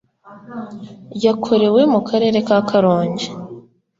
yakorewe mu Karere ka Karongi